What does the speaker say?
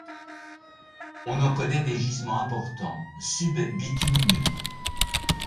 On en connait des gisements importants, sub-bitumineux.